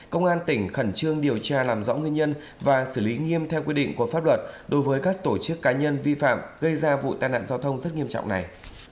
công an tỉnh khẩn trương điều tra làm rõ nguyên nhân và xử lý nghiêm theo quy định của pháp luật đối với các tổ chức cá nhân vi phạm gây ra vụ tai nạn giao thông rất nghiêm trọng này